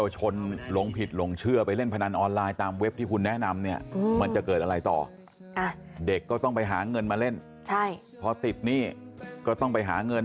ชิงปล้นเนี่ยก็ติดพนันออนไลน์อย่างนี้